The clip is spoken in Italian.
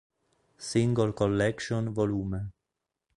Single Collection Vol.